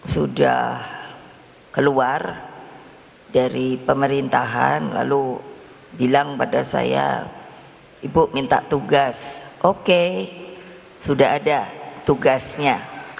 sudah keluar dari pemerintahan lalu bilang pada saya ibu minta tugas oke sudah ada tugasnya